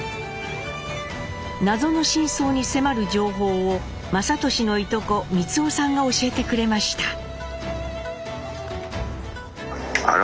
謎の真相に迫る情報を雅俊のいとこ三雄さんが教えてくれました。